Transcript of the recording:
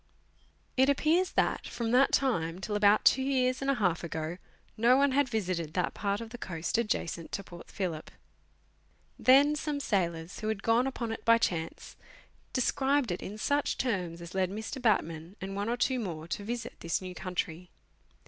It appears that, from that time till about two years and a half ago, no one had visited that part of the coast adjacent to Port Phillip. Then some sailors, who had gone upon it by chance, described it in such terms as led Mr. Batman and one or two more to visit this new country.